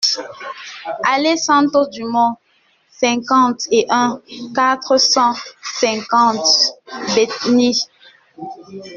Allée Santos Dumont, cinquante et un, quatre cent cinquante Bétheny